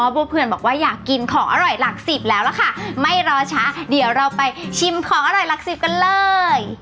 เพื่อนบอกว่าอยากกินของอร่อยหลักสิบแล้วล่ะค่ะไม่รอช้าเดี๋ยวเราไปชิมของอร่อยหลักสิบกันเลย